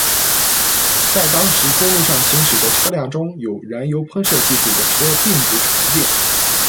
在当时公路上行驶的车辆中，有燃油喷射技术的车并不常见。